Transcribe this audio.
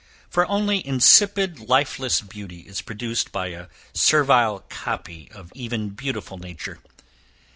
For only insipid lifeless beauty is produced by a servile copy of even beautiful nature.